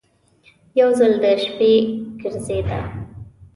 یو ځل د شپې ګرځېده.